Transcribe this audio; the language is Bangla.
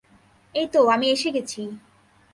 এইতো আমি এসে গেছি।